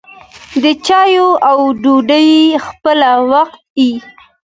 د چايو او ډوډۍ خپله وخت يي.